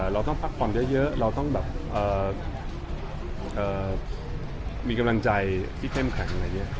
เราต้องพักผ่อนเยอะเราต้องแบบมีกำลังใจที่เข้มแข็งอะไรอย่างนี้